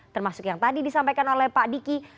termasuk yang tadi disampaikan oleh pak diki